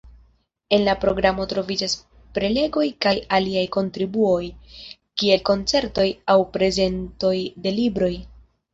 En la programo troviĝas prelegoj kaj aliaj kontribuoj, kiel koncertoj aŭ prezentoj de libroj.